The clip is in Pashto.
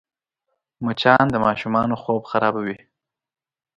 مچان د ماشومانو خوب خرابوي